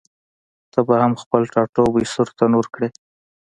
ته به هم خپل ټاټوبی سور تنور کړې؟